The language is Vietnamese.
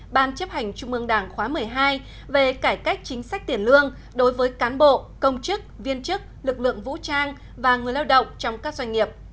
ban chấp hành trung ương đảng khóa một mươi hai về cải cách chính sách tiền lương đối với cán bộ công chức viên chức lực lượng vũ trang và người lao động trong các doanh nghiệp